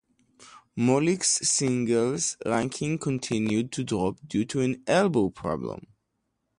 Molik's singles ranking continued to drop due to an elbow problem.